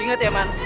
ingat ya man